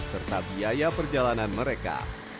serta biaya perjalanan mereka